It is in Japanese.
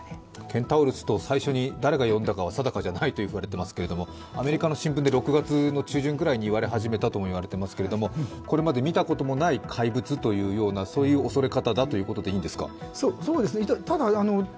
ケンタウロスと最初に誰が呼んだかは定かじゃないと言われていますが、アメリカの新聞で６月中旬くらいに言われ始めたと言われていますけど、これまで見たこともない怪物という恐れ方だということでいいんですか？